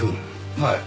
はい。